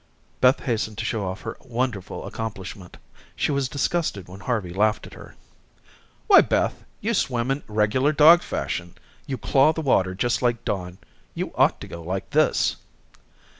Beth hastened to show off her wonderful accomplishment. She was disgusted when Harvey laughed at her. "Why, Beth, you swim in regular dog fashion. You claw the water just like Don. You ought to go like this."